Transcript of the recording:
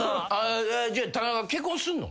じゃあ。